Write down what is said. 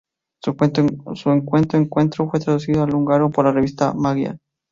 Su cuento "Encuentro" fue traducido al húngaro por la revista Magyar.